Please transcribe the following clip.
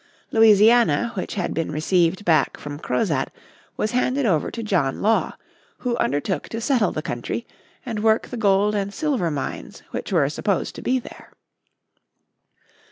Louisiana, which had been received back from Crozat, was handed over to John Law, who undertook to settle the country, and work the gold and silver mines which were supposed to be there.